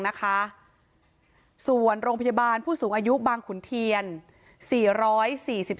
นะคะส่วนโรงพยาบาลผู้สูงอายุบางขุนเทียนสี่ร้อยสี่สิบ